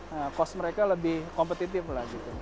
nah cost mereka lebih kompetitif lah gitu